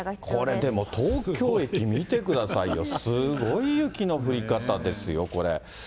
これでも、東京駅、見てくださいよ、すごい雪の降り方ですよ、これ。